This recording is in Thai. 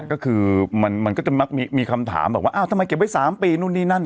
ก็คือมันก็จะมักมีคำถามบอกว่าอ้าวทำไมเก็บไว้๓ปีนู่นนี่นั่น